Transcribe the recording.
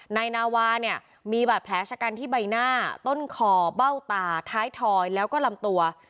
นายนาวาเนี่ยมีบาดแผลชะกันที่ใบหน้าต้นคอเบ้าตาท้ายถอยแล้วก็ลำตัว